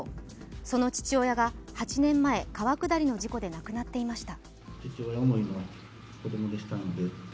その父親が８年前、川下りの事故で亡くなっていました。